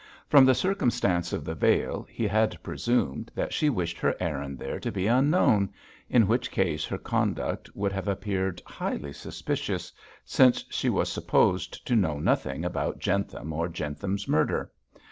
From the circumstance of the veil, he had presumed that she wished her errand there to be unknown, in which case her conduct would have appeared highly suspicious, since she was supposed to know nothing about Jentham or Jentham's murder.